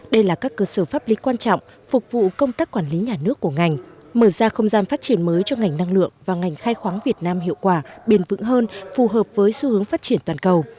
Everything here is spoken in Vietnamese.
đây là các cơ sở pháp lý quan trọng phục vụ công tác quản lý nhà nước của ngành mở ra không gian phát triển mới cho ngành năng lượng và ngành khai khoáng việt nam hiệu quả biên vững hơn phù hợp với xu hướng phát triển toàn cầu